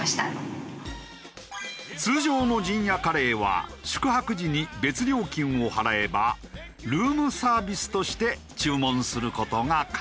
通常の陣屋カレーは宿泊時に別料金を払えばルームサービスとして注文する事が可能。